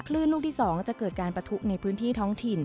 ลูกที่๒จะเกิดการปะทุในพื้นที่ท้องถิ่น